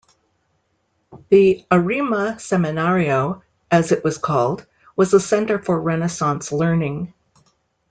The "Arima Semenario", as it was called, was a center for Renaissance learning.